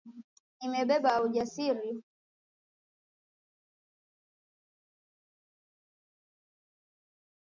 Imebeba ujasiri